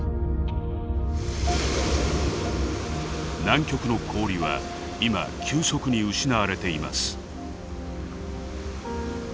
南極の氷は今急速に失われています。